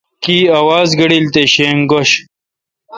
کی آواز گیلڈ تے شینگ گوش۔